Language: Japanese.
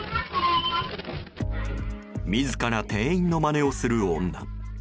自ら店員のまねをする女。